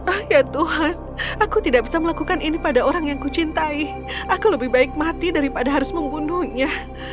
oh ya tuhan aku tidak bisa melakukan ini pada orang yang ku cintai aku lebih baik mati daripada harus membunuhnya